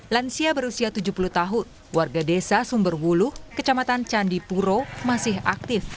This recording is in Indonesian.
lansia berusia tujuh puluh tahun warga desa sumberwulu kecamatan candipuro masih aktif